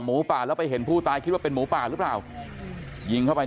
ป่าแล้วไปเห็นผู้ตายคิดว่าเป็นหมูป่าหรือเปล่ายิงเข้าไป